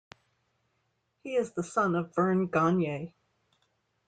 He is the son of Verne Gagne.